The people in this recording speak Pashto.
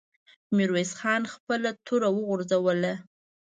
ميرويس خان خپله توره وغورځوله.